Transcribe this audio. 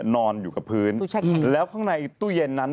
นอนอยู่กับพื้นแล้วข้างในตู้เย็นนั้น